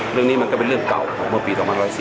เรื่องนี้มันก็เป็นเรื่องเก่าของเมื่อปี๒๔๔